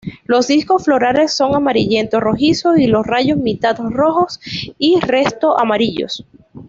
Los discos florales son amarillento rojizos, y los rayos mitad rojos y resto amarillos.